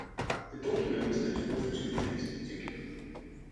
The document was notable for two things in particular.